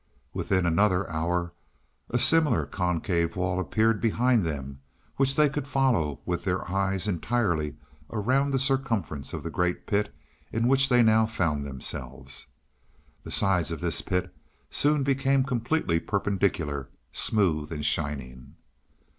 Within another hour a similar concave wall appeared behind them which they could follow with their eyes entirely around the circumference of the great pit in which they now found themselves. The sides of this pit soon became completely perpendicular smooth and shining.